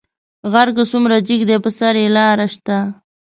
غر کۀ څومره جګ دى، پۀ سر يې لار شته.